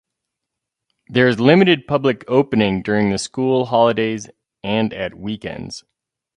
There is limited public opening during the school holidays and at weekends.